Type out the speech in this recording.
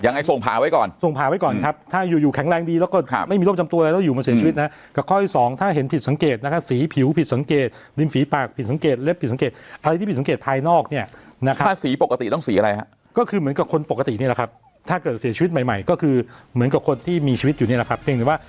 ยังไงส่งผ่าไว้ก่อนส่งผ่าไว้ก่อนครับถ้าอยู่อยู่แข็งแรงดีแล้วก็ไม่มีร่วมจำตัวแล้วอยู่มาเสียชีวิตนะครับก็ข้อที่สองถ้าเห็นผิดสังเกตนะคะสีผิวผิดสังเกตริมฝีปากผิดสังเกตเล็บผิดสังเกตอะไรที่ผิดสังเกตภายนอกเนี่ยนะครับถ้าสีปกติต้องสีอะไรฮะก็คือเหมือนกับคนปกตินี่แหละครั